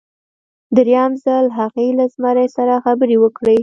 دریم ځل هغې له زمري سره خبرې وکړې.